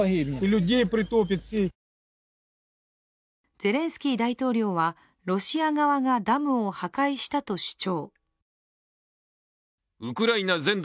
ゼレンスキー大統領はロシア側がダムを破壊したと主張。